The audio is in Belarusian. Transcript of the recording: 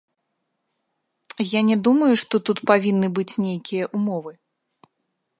Я не думаю, што тут павінны быць нейкія ўмовы.